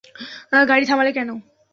গাড়ি থামালে কেন?